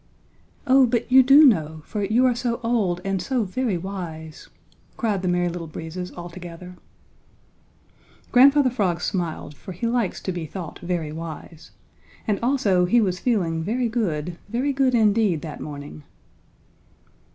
"Oh, but you do know, for you are so old and so very wise," cried the Merry Little Breezes all together. Grandfather Frog smiled, for he likes to be thought very wise, and also he was feeling very good, very good indeed that morning.